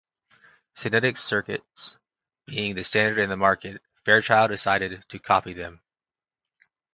Signetics's circuits being the standard in the market, Fairchild decided to copy them.